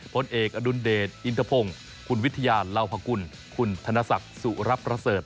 พลเอกอดุลเดชอินทพงศ์คุณวิทยาลาวพกุลคุณธนศักดิ์สุรประเสริฐ